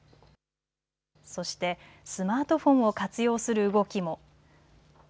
そしてスマートフォンを活用する動きも。